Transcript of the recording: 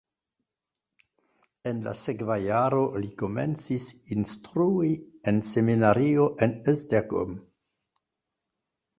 En la sekva jaro li komencis instrui en seminario en Esztergom.